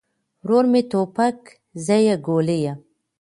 ورور مې توپک، زه يې ګولۍ يم